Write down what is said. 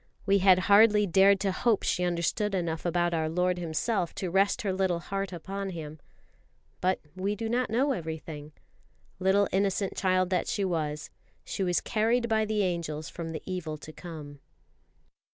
We had hardly dared to hope she understood enough about our Lord Himself to rest her little heart upon Him. But we do not know everything. Little innocent child that she was, she was carried by the angels from the evil to come.